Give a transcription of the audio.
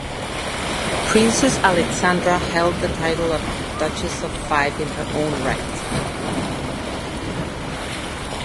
Princess Alexandra held the title of Duchess of Fife in her own right.